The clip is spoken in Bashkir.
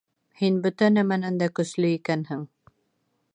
Һин бөтә нәмәнән дә көслө икәнһең.